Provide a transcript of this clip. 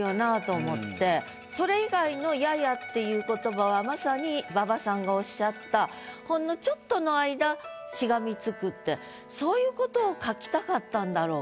それ以外の「やや」っていう言葉はまさに馬場さんがおっしゃったほんのそういうことを書きたかったんだろうかと。